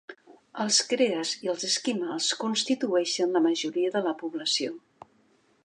Els crees i els esquimals constitueixen la majoria de la població.